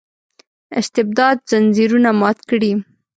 استبداد ځنځیرونه مات کړي.